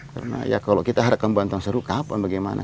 karena ya kalau kita harapkan bantuan seru kapan bagaimana